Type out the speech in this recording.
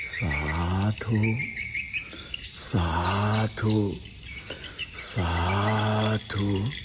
สาธุสาธุสาธุ